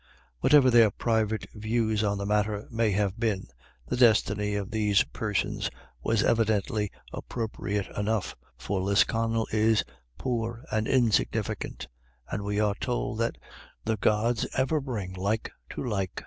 Whatever their private views on the matter may have been, the destiny of these persons was evidently appropriate enough, for Lisconnel is poor and insignificant, and we are told that the gods ever bring like to like.